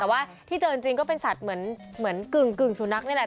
แต่ว่าที่เจอจริงก็เป็นสัตว์เหมือนกึ่งสุนัขนี่แหละ